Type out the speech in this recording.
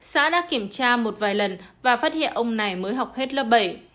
xã đã kiểm tra một vài lần và phát hiện ông này mới học hết lớp bảy